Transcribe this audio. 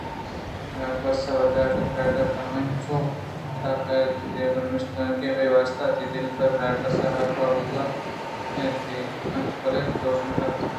بناربس ءَ ودار پرماہگ ترا اینچو؟ پدا کاگد دیریگیں نبشتگیں ہمے واستہ تئی دل پہ بناربس ءَ حراب بوتگ کہ آ دیر کنت بلئے چوش نہ اِنت